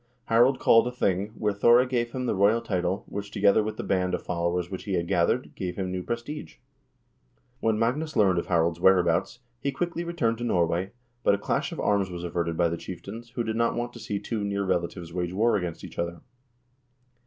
Harald called a thing, where Thore gave him the royal title, which, together with the band of followers which he had gathered, gave him new prestige. When Magnus learned of Harald 's whereabouts, he quickly returned to Norway, but a clash of arms was averted by the chieftains, who did not want to see two near relatives wage war against each other.